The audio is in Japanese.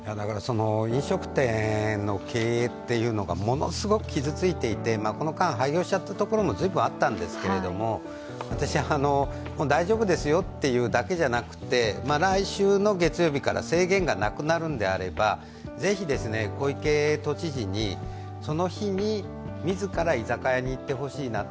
飲食店の経営っていうのがものすごく傷ついていてこの間、廃業しちゃったところも随分あったんですけど、私は大丈夫ですよというだけじゃなくて、来週の月曜日から制限がなくなるんであれば是非、小池都知事にその日に自ら居酒屋に行ってほしいなと。